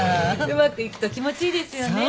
うまくいくと気持ちいいですよね。